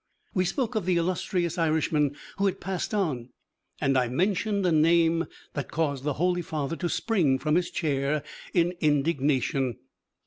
We spoke of the illustrious Irishmen who had passed on, and I mentioned a name that caused the holy father to spring from his chair in indignation.